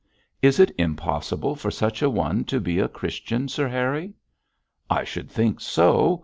'Is it impossible for such a one to be a Christian, Sir Harry?' 'I should think so.